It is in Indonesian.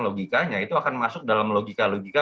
logikanya itu akan masuk dalam logika logika